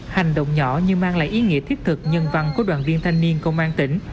hành động nhỏ nhưng mang lại ý nghĩa thiết thực nhân văn của đoàn viên thanh niên công an tỉnh